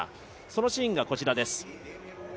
そのシーンがこちらです。